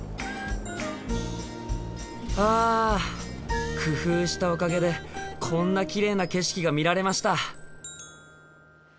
あ工夫したおかげでこんなきれいな景色が見られました。